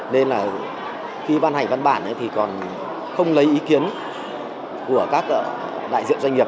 nên là khi ban hành văn bản thì còn không lấy ý kiến của các đại diện doanh nghiệp